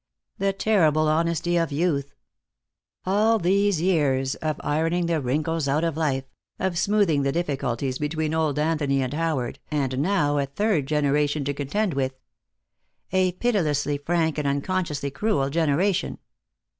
The terrible honesty of youth! All these years of ironing the wrinkles out of life, of smoothing the difficulties between old Anthony and Howard, and now a third generation to contend with. A pitilessly frank and unconsciously cruel generation.